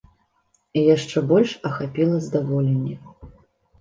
І яшчэ больш ахапіла здаволенне.